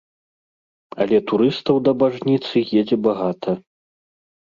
Але турыстаў да бажніцы едзе багата.